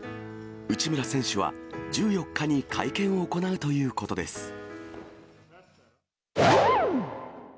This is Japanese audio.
内村選手は、１４日に会見を行うということです。